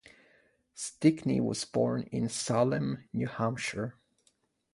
Stickney was born in Salem, New Hampshire.